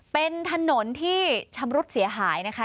เป็นถนนที่ชำรุดเสียหายนะคะ